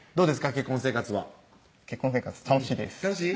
結婚生活は結婚生活楽しいです楽しい？